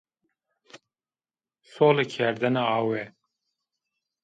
Sole kerdêne awe